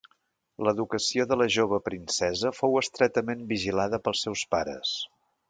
L'educació de la jove princesa fou estretament vigilada pels seus pares.